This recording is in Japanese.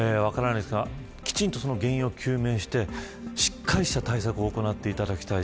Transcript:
きちんと原因を究明してしっかりした対策を行っていただきたい。